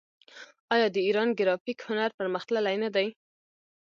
آیا د ایران ګرافیک هنر پرمختللی نه دی؟